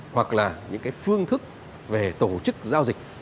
hoặc là những cái phương thức về tổ chức giao dịch